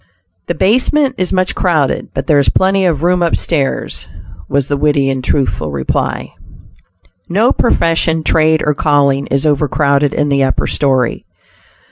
"The basement is much crowded, but there is plenty of room up stairs," was the witty and truthful reply. No profession, trade, or calling, is overcrowded in the upper story.